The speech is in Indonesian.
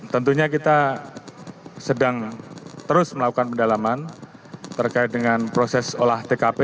tentunya kita sedang terus melakukan pendalaman terkait dengan proses olah tkp